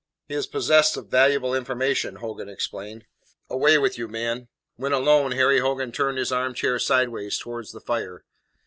"He is possessed of valuable information," Hogan explained. "Away with you, man." When alone, Harry Hogan turned his arm chair sideways towards the fire.